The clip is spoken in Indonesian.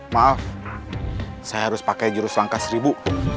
maaf saya harus pakai jurus langkah seribu